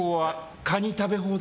カニ食べ放題。